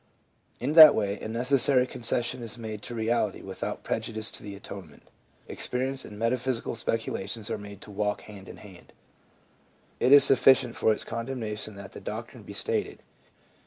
In that way a necessary concession is made to reality without prejudice to the Atonement : experience and metaphysical speculations are made to walk hand in hand. It is sufficient for its condemnation that the doctrine be stated.